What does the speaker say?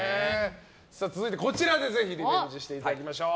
続いて、こちらでリベンジしていただきましょう。